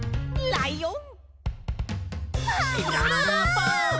ライオン！